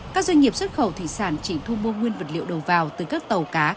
các doanh nghiệp xuất khẩu thủy sản chỉ thu mua nguyên vật liệu đầu vào từ các tàu cá